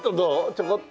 ちょこっと。